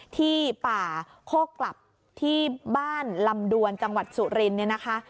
ที่ป่าโคกกลับที่บ้านลำดวนจังหวัดสุรินเนี่ยนะคะ